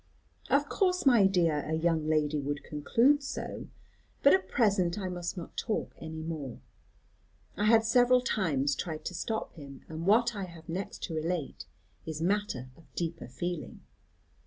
"Of course, my dear, a young lady would conclude so. But at present I must not talk any more." I had several times tried to stop him. "And what I have next to relate is matter of deeper feeling.